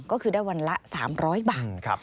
ก็คือได้วันละ๓๐๐บาท